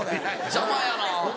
邪魔やな。